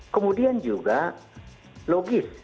kemudian juga logis